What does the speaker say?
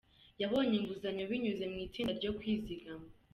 Yabonye inguzanyo binyuze mu itsinda ryo kwizigama.